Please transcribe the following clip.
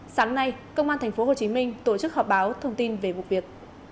sáng nay công an tp hcm tổ chức họp báo thông tin về vụ việc